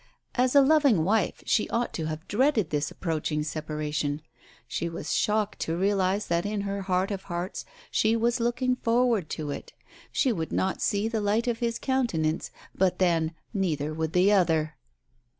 As a loving wife she ought to have dreaded this approaching separation; she was shocked to realize that in her heart of hearts, she was looking forward to it. She would not see the light of his countenance, but then, neither would the other